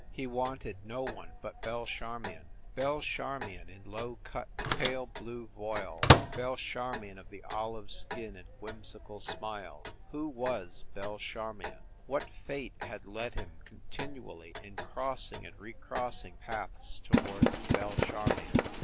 He wanted no one but Belle Charmion. Belle Charmion, in low cut, pale blue voile, Belle Char mion of the olive skin and whimsical smile who was Belle Charmion? What fate had led him con tinually in crossing and recrossing paths towards Belle Charmion